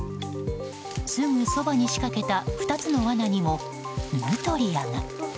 すぐそばに仕掛けた２つの罠にもヌートリアが。